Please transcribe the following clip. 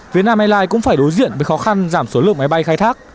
vietnam airlines cũng phải đối diện với khó khăn giảm số lượng máy bay khai thác